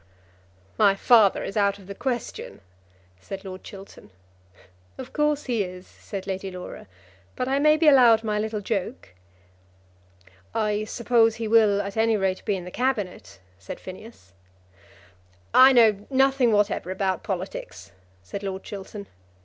"My father is out of the question," said Lord Chiltern. "Of course he is," said Lady Laura, "but I may be allowed my little joke." "I suppose he will at any rate be in the Cabinet," said Phineas. "I know nothing whatever about politics," said Lord Chiltern.